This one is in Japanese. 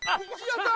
やった！